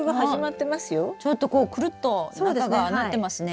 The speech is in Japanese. ちょっとこうくるっと中がなってますね。